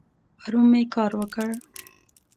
پرون می کار وکړ